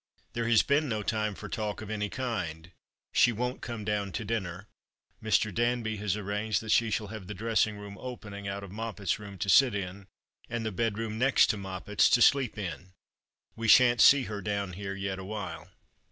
There has been no time for talk of any kind. She won't come down to dinner. Mr. Danby has arranged that she shall have the dressing room opening out of Moppet's room to sit in, and the bedroom next to Moppet's to sleep in. We shan't see her down here yet awhile."